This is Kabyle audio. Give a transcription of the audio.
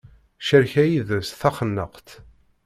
Ccerka yid-s d taxennaqt.